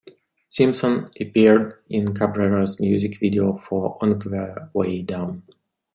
Simpson appeared in Cabrera's music video for "On the Way Down".